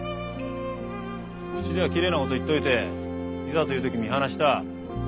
口ではきれいなこと言っといていざという時見放した。